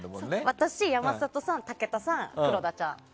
私、山里さん武田さん、黒田ちゃん。